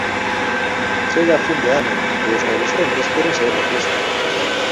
Chega a fin de ano, e os adolescentes queren saír de festa.